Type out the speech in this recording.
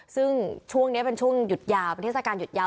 ซึ่งช่วงนี้เป็นช่วงหยุดยาวเป็นเทศกาลหยุดยาว